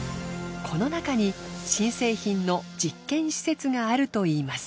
このなかに新製品の実験施設があるといいます。